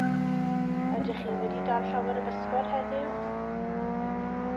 Ydych chi wedi dal llawer o bysgod heddiw?